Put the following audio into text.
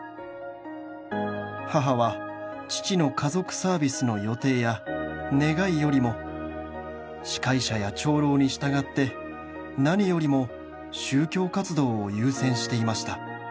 「母は父の家族サービスの予定や願いよりも司会者や長老に従って何よりも宗教活動を優先していました」